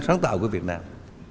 sáng tạo của việt nam